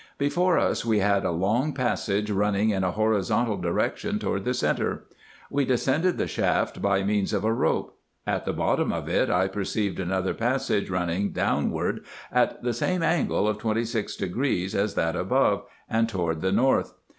Before us we had a long passage running in a horizontal direction toward the centre. We descended the shaft by means of a rope. At the bottom of it I perceived another passage running downward at the same angle of 26° as that above, and toward the north.